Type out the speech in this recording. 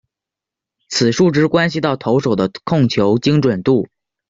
此数值关系到投手的控球精准度。